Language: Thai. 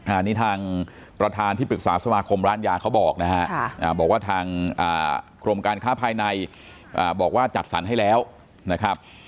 อันนี้ทางประธานที่ปรึกษาสมาคมร้านยาเขาบอกนะฮะบอกว่าทางกรมการค้าภายในบอกว่าจัดสรรให้แล้วนะครับ